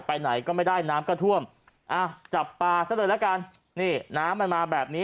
ไปไหนก็ไม่ได้น้ำก็ท่วมอ่ะจับปลาซะเลยละกันนี่น้ำมันมาแบบนี้